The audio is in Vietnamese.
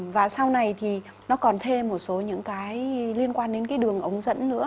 và sau này thì nó còn thêm một số những cái liên quan đến cái đường ống dẫn nữa